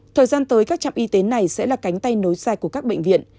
thời gian tới các trạm y tế này sẽ là cánh tay nối dài của các bệnh viện